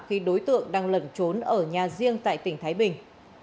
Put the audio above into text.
khi đối tượng đang lẩn trốn ở nhà riêng tại tỉnh thái bình